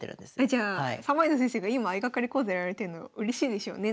じゃあ三枚堂先生が今相掛かり講座やられてるのうれしいでしょうね